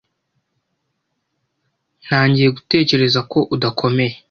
Ntangiye gutekereza ko udakomeye.